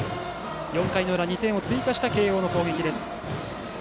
４回の裏、２点を追加した慶応の攻撃です。